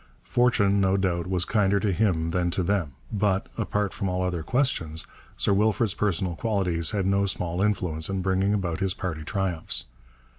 Fortune, no doubt, was kinder to him than to them, but, apart from all other questions, Sir Wilfrid's personal qualities had no small influence in bringing about his party triumphs.